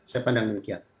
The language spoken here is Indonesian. saya pandang demikian